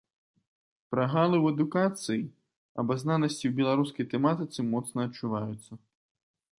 Прагалы ў адукацыі, абазнанасці ў беларускай тэматыцы моцна адчуваюцца.